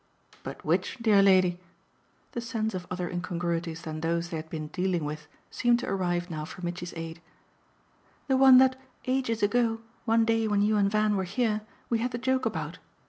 "But which, dear lady?" The sense of other incongruities than those they had been dealing with seemed to arrive now for Mitchy's aid. "The one that, ages ago, one day when you and Van were here, we had the joke about.